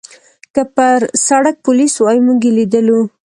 که پر سړک پولیس وای، موږ یې لیدلو.